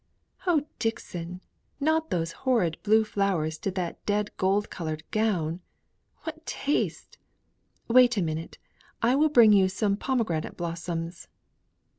"Oh, Dixon! not those horrid blue flowers to that dead gold coloured gown. What taste! Wait a minute, and I will bring you some pomegranate blossoms."